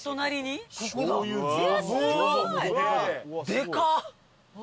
でかっ！